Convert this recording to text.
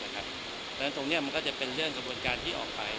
เพราะฉะนั้นตรงนี้มันก็จะเป็นเรื่องกระบวนการที่ออกไป